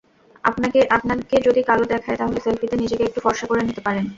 আপনাকে যদি কালো দেখায়, তাহলে সেলফিতে নিজেকে একটু ফরসা করে নিতে পারেন।